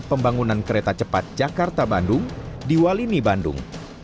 pembangunan kereta cepat jakarta bandung di walini bandung